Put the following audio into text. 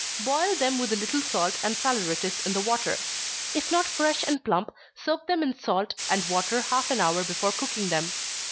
Boil them with a little salt and saleratus in the water. If not fresh and plump, soak them in salt and water half an hour before cooking them.